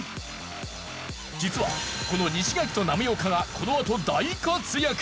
実はこの西垣と波岡がこのあと大活躍！